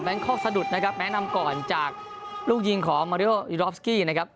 คอกสะดุดนะครับแนะนำก่อนจากลูกยิงของมาริโออิรอฟสกี้นะครับ